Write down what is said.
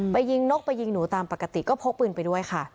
ไปยิงนกไปยิงหนูตามปกติก็พกปืนไปด้วยค่ะ